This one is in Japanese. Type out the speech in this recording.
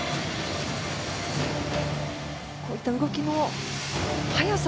こういった動きの速さ